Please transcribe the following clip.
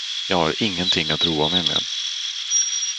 Jag har ingenting att roa mig med.